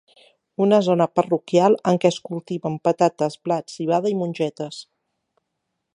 Una zona parroquial en què es cultiven patates, blat, civada i mongetes.